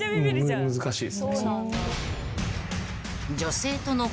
難しいですね。